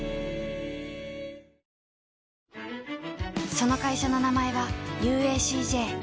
その会社の名前は ＵＡＣＪ